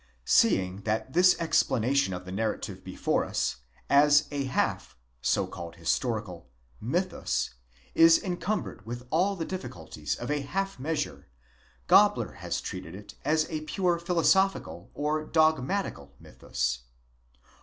Seeing that this explanation of the narrative before us, as a half (so called historical) mythus, is encumbered with all the difficulties of a half measure, Gabler has treated it as a pure philosophical, or dogmatical mythus.